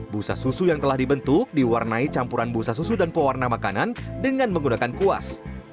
busa susu yang telah dibentuk diwarnai campuran busa susu dan pewarna makanan dengan menggunakan kuas